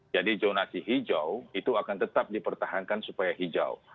jadi jonasi hijau itu akan tetap dipertahankan supaya hijau